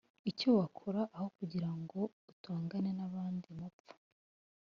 Icyo wakora Aho kugira ngo utongane n abandi mupfa